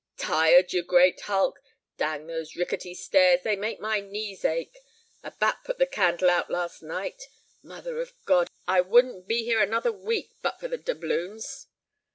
"Tired, you great hulk! Dang those rickety stairs, they make my knees ache; a bat put the candle out last night. Mother of God! I wouldn't be here another week but for the doubloons!